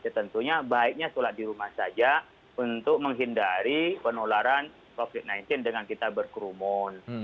tentunya baiknya sholat di rumah saja untuk menghindari penularan covid sembilan belas dengan kita berkerumun